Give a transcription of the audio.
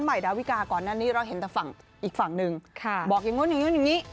ใหม่ดาวิกาก่อนหน้านี้เราเห็นแต่ฝั่งอีกฝั่งหนึ่งบอกอย่างนู้นอย่างนู้นอย่างนี้